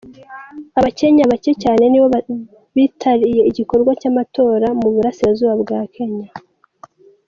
Abakenya bake cyane nibo bitariye igikorwa cy’amatora mu Burasirazuba bwa kenya.